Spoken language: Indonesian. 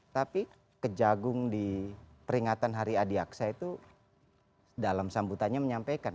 tapi kejagung di peringatan hari adiaksa itu dalam sambutannya menyampaikan